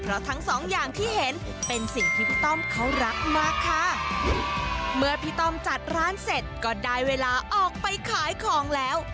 เพราะทั้งสองอย่างที่เห็นเป็นสิ่งที่พี่ต้อมเขารักมากค่ะเมื่อพี่ต้อมจัดร้านเสร็จก็ได้เวลาออกไปขายของแล้ว